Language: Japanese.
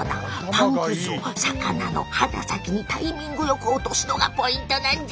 パンくずを魚の鼻先にタイミングよく落とすのがポイントなんじゃ！